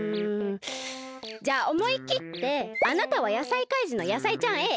うんじゃあおもいきってあなたは野菜怪人の野菜ちゃん